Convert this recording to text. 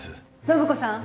暢子さん。